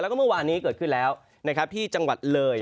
แล้วก็เมื่อวานนี้เกิดขึ้นแล้วนะครับที่จังหวัดเลย